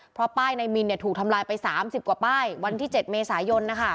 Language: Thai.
เพราะป้ายในมินถูกทำลายไป๓๐กว่าป้ายวันที่๗เมษายน